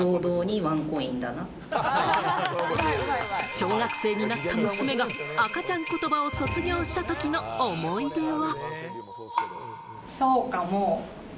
小学生になった娘が赤ちゃん言葉を卒業したときの思い出は。